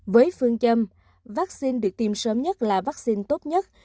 với phương châm vaccine được tiêm sớm nhất là vaccine tốt nhất